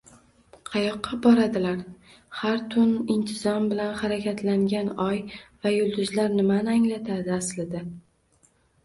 Qayoqqa boradilar? Har tun intizom bilan harakatlangan oy va yulduzlar nimani anglatadi, aslida?